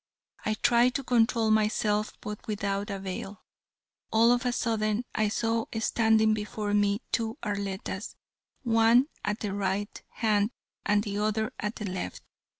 I tried to control myself but without avail. All of a sudden I saw standing before me two Arlettas, one at the right hand and the other at the left.